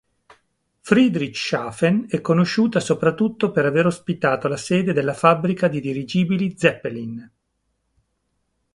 Friedrichshafen è conosciuta soprattutto per aver ospitato la sede della fabbrica di dirigibili Zeppelin.